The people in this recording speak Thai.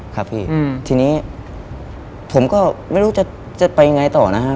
ครับพี่ทีนี้ผมก็ไม่รู้จะไปยังไงต่อนะฮะ